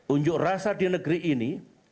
unjuk rasa di negeri ini